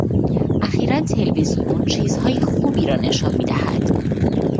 اخیرا تلویزیون چیزهای خوبی را نشان میدهد.